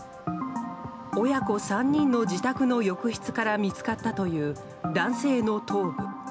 親子３人の自宅の浴室から見つかったという男性の頭部。